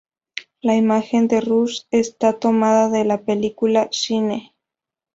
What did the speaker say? La imagen de Rush está tomada de la película Shine.